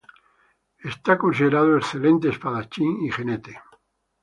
Era considerado excelente espadachín y jinete.